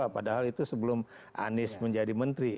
padahal itu sebelum anies menjadi menteri